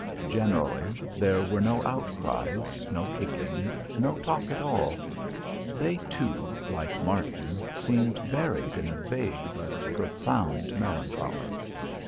Generally there were no outcries, no kicking, no talk at all. They too, like Martin, seemed buried in a vague but profound melancholy.